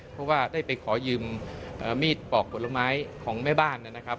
เพราะว่าได้ไปขอยืมมีดปอกผลไม้ของแม่บ้านนะครับ